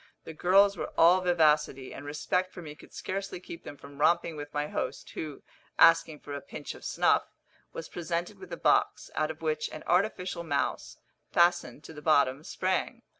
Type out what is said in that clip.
The girls were all vivacity, and respect for me could scarcely keep them from romping with my host, who, asking for a pinch of snuff, was presented with a box, out of which an artificial mouse, fastened to the bottom, sprang.